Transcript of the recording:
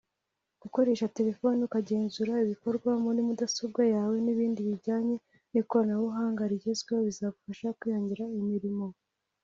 gukoresha telefoni ukagenzura ibikorerwa muri mudasobwa yawe n’ibindi bijyanye n’ikoranabunga rigezweho bizabafasha kwihangira imirimo